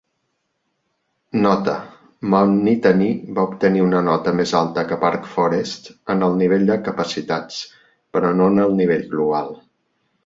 Nota: Mount Nittany va obtenir una nota més alta que Park Forest en el nivell de capacitats però no en el nivell global.